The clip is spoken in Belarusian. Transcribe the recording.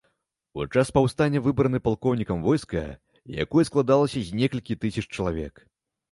У час паўстання выбраны палкоўнікам войска, якое складалася з некалькіх тысяч чалавек.